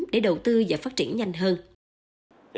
để đầu tư và phát triển nhanh hơn